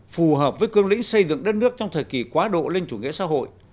phù hợp với cương lĩnh xây dựng đất nước trong thời kỳ quá độ lên chủ nghĩa xã hội